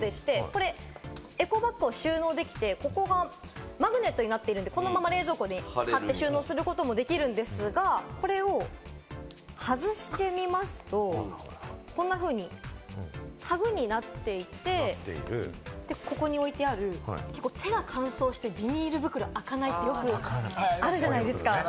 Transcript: エコバッグを収納できて、ここがマグネットになっているので、このまま冷蔵庫に貼って収納することもできるんですが、これを外してみますと、こんなふうにタグになっていて、手が乾燥してビニール袋が開かないって、よくあるじゃないですか？